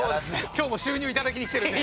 今日も収入頂きに来てるんで。